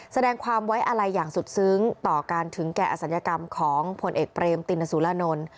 แสดงความไว้อะไรอย่างสุดซึ้งต่อการถึงแก่อศัลยกรรมของผลเอกเปรมตินสุรานนท์